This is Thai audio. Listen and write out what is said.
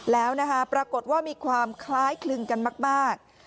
แล้วนะคะปรากฏว่ามีความคล้ายคลึงกันมาก